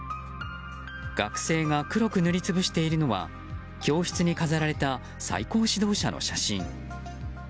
学生が黒く塗り潰しているのは教室に飾られた最高指導者の写真。